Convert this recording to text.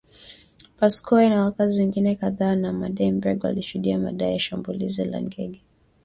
Pascoe na wakazi wengine kadhaa wa Manenberg walishuhudia madai ya shambulizi la genge